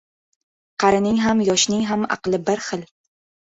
• Qarining ham, yoshning ham aqli bir xil.